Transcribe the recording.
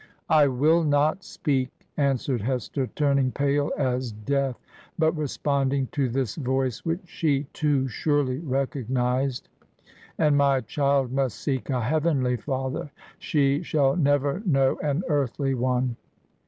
'I will not speak 1' answered Hester, turning pale as death, but responding to this voice, which she too surely recognized. 'And my child must seek a heavenly Father; she shall never know an earthly one!'